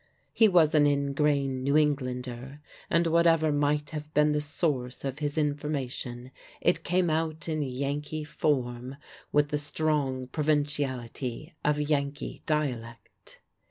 He was an ingrain New Englander, and whatever might have been the source of his information, it came out in Yankee form, with the strong provinciality of Yankee dialect.